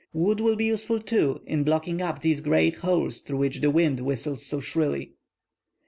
Wood will be useful, too, in blocking up these great holes through which the wind whistles so shrilly."